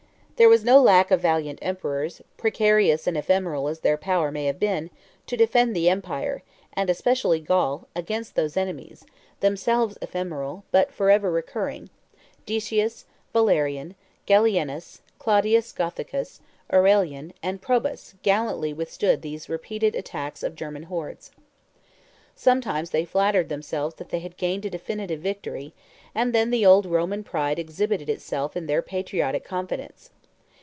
There was no lack of valiant emperors, precarious and ephemeral as their power may have been, to defend the Empire, and especially Gaul, against those enemies, themselves ephemeral, but forever recurring; Decius, Valerian, Gallienus, Claudius Gothicus, Aurelian, and Probus gallantly withstood those repeated attacks of German hordes. Sometimes they flattered themselves they had gained a definitive victory, and then the old Roman pride exhibited itself in their patriotic confidence.